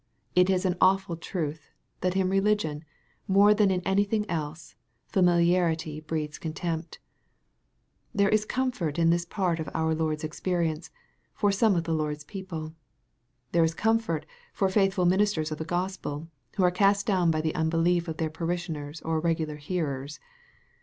It is an awful truth, that in religion, more than in anything else, familiarity breeds contempt. There is comfort in this part of our Lord's experience, for some of the Lord's people. There is comfort for faithful ministers of the Gospel, who are cast down by the unbelief of their parishioners or regular hearers.